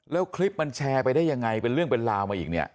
แล้วคลิปมันแชร์ไปได้ยังไงเป็นเรื่องเป็นราวมาอีกเนี่ย